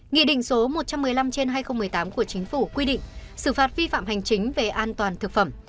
nghị định số một trăm một mươi năm trên hai nghìn một mươi tám của chính phủ quy định xử phạt vi phạm hành chính về an toàn thực phẩm